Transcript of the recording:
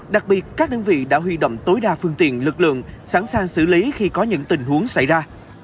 đặc biệt các đơn vị đã huy động tối đa phương tiện lực lượng sẵn sàng xử lý khi có những tình huống xảy ra